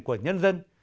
của nhân dân